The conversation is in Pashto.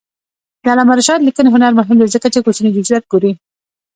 د علامه رشاد لیکنی هنر مهم دی ځکه چې کوچني جزئیات ګوري.